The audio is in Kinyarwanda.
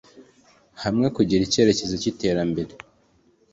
hamwe kugira icyerekezo cyiterambere